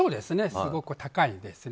すごく高いですね。